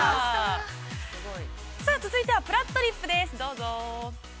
◆さあ、続いては「ぷらっとりっぷ」です、どうぞ。